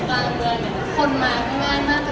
ขับรถมาใช้เวลาที่นี้